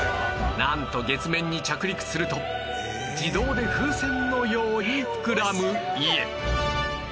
なんと月面に着陸すると自動で風船のように膨らむ家